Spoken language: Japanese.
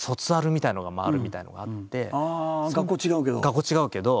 学校違うけど。